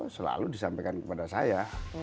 selalu disampaikan kepada saya